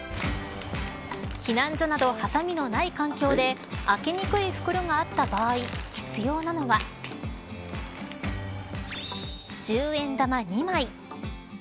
避難所など、はさみのない環境で開けにくい袋があった場合必要なのは１０円玉、２枚。